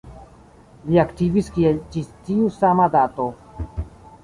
Li aktivis kiel ĝis tiu sama dato.